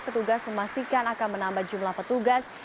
petugas memastikan akan menambah jumlah petugas